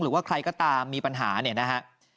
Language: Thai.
หรือว่าใครก็ตามมีปัญหาเนี่ยนะฮะ